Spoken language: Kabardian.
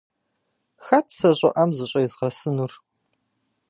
Хэт сэ щӀыӀэм зыщӀезгъэсынур?